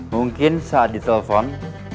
mungkin saat di telpon